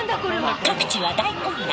各地は大混乱。